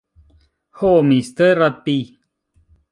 Ho, mistera pi!